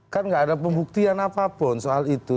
kan nggak ada pembuktian apapun soal itu